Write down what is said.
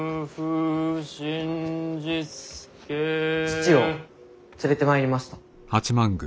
父を連れてまいりました。